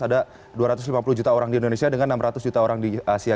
ada dua ratus lima puluh juta orang di indonesia dengan enam ratus juta orang di asia